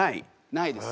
ないです。